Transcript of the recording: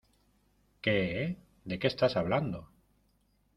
¿ Qué? ¿ de qué estás hablando ?